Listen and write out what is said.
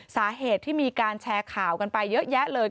สาเหตุที่มีการแชร์ข่าวกันไปเยอะแยะเลย